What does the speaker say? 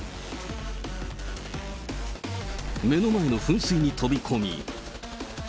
目の前の噴水に飛び込み。